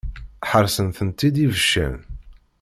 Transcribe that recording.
Ḥaṛṣen-tent-id ibeccan.